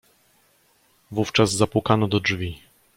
"Wówczas zapukano do drzwi."